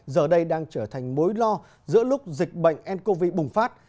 giờ đây đang trở thành mối lo giữa lúc dịch bệnh ncov bùng phát